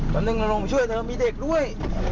ละนึงละลงมาช่วยเธอมีเด็กด้วย